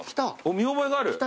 見覚えがある。